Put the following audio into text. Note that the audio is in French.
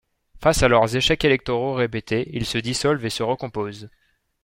Face à leurs échecs électoraux répétés, ils se dissolvent et se recomposent.